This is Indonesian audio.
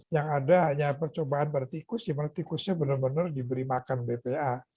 yang ada hanya percobaan pada tikus dimana tikusnya benar benar diberi makan bpa